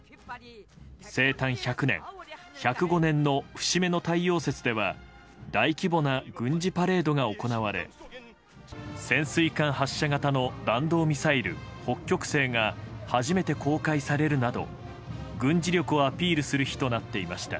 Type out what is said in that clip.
生誕１００年、１０５年の節目の太陽節では大規模な軍事パレードが行われ潜水艦発射型の弾道ミサイル「北極星」が初めて公開されるなど軍事力をアピールする日となっていました。